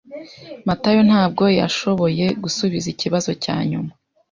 Matayo ntabwo yashoboye gusubiza ikibazo cyanyuma.